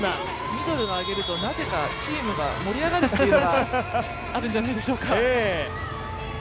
ミドルが上げるとなぜかチームが盛り上がるというのがあるんではないでしょうか。